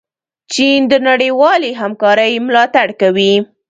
چین د نړیوالې همکارۍ ملاتړ کوي.